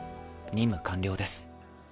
任務完了です。